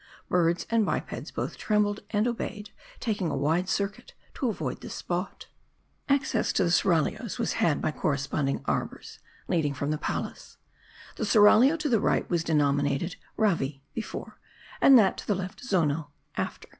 Birds and bipeds both trembled and obey ed ; taking a wide circuit to avoid the spot. 282 M A R D I. Access to the seraglios was had by corresponding arbors leading from the palace. The seraglio to the right was denominated "Ravi" (Before), that to the left "Zono" (After).